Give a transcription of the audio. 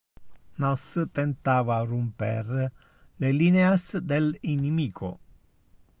Nos tentava rumper le lineas del inimico.